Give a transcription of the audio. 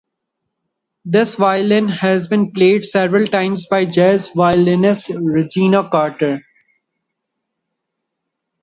This violin has been played several times by jazz violinist Regina Carter.